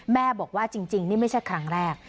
แม่บอกว่าจริงนี่ไม่ใช่ครั้งแรก